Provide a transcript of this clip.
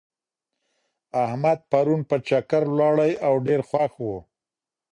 احمد پرون په چکر ولاړی او ډېر خوښ و.